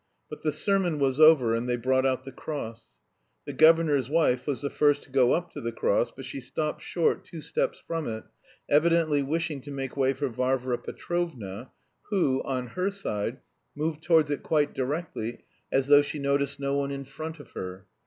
But the sermon was over, and they brought out the cross. The governor's wife was the first to go up to the cross, but she stopped short two steps from it, evidently wishing to make way for Varvara Petrovna, who, on her side, moved towards it quite directly as though she noticed no one in front of her.